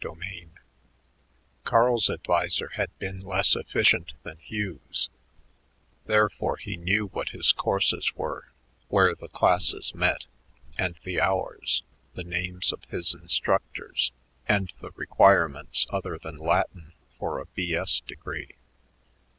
CHAPTER IV Carl's adviser had been less efficient than Hugh's; therefore he knew what his courses were, where the classes met and the hours, the names of his instructors, and the requirements other than Latin for a B.S. degree.